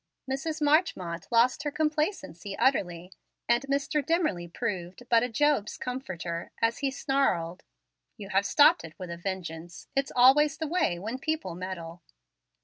Mrs. Marchmont lost her complacency utterly, and Mr. Dimmerly proved but a Job's comforter, as he snarled, "You have stopped it with a vengeance. It's always the way when people meddle."